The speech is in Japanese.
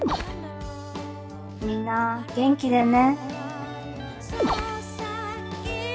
みんな元気でね。